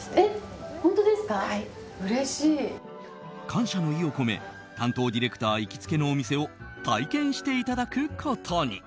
感謝の意を込め担当ディレクター行きつけのお店を体験していただくことに。